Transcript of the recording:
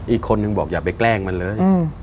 อีกคนนึงบอกอย่าไปแกล้งมันเลย